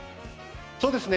そうですね。